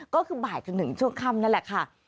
ก็คือบ่ายจนถึงช่วงค่ำนั่นแหละค่ะ